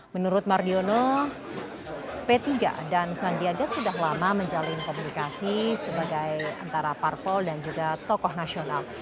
menurut mardiono p tiga dan sandiaga sudah lama menjalin komunikasi sebagai antara parpol dan juga tokoh nasional